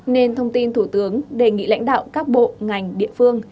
nên thông tin thủ tướng đề nghị lãnh đạo các bộ ngành địa phương